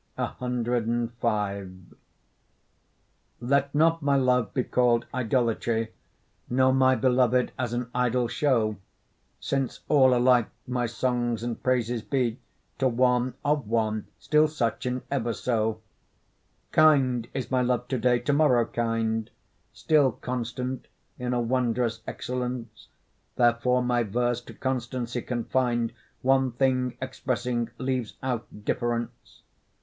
CV Let not my love be call'd idolatry, Nor my beloved as an idol show, Since all alike my songs and praises be To one, of one, still such, and ever so. Kind is my love to day, to morrow kind, Still constant in a wondrous excellence; Therefore my verse to constancy confin'd, One thing expressing, leaves out difference.